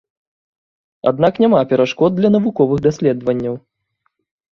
Аднак няма перашкод для навуковых даследаванняў.